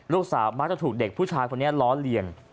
ลูกสาวมักจะถูกเด็กผู้ชายคนนี้ล้อเลียน